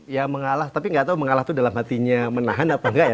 ya mengalah tapi nggak tahu mengalah itu dalam hatinya menahan apa enggak ya